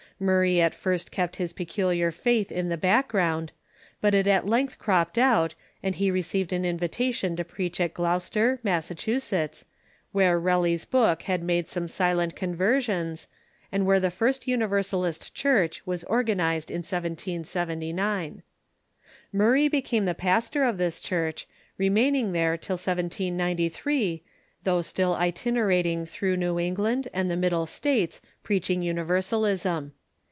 Murray at first kept his peculiar faith in the background, but it at length cropped out, and he re ceived an invitation to preach at Gloucester, Massachusetts, where Kelly's book had made some silent conversions, and where the first Universalist Church was organized in 1779. Murray became the pastor of this church, remaining there till 1793, though still itinerating through New England and the Middle States preaching LTniversalism.